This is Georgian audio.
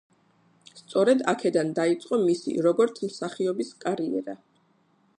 სწორედ აქედან დაიწყო მისი, როგორც მსახიობის კარიერა.